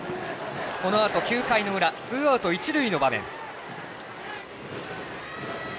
このあと、９回の裏ツーアウト、一塁の場面。